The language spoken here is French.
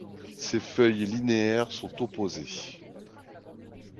Ses feuilles linéaires sont opposées.